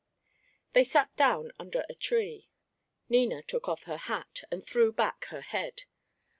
They sat down under a tree. Nina took off her hat, and threw back her head.